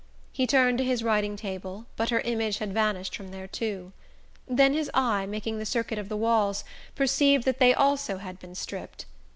He turned to his writing table, but her image had vanished from there too; then his eye, making the circuit of the walls, perceived that they also had been stripped.